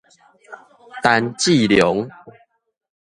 陳志隆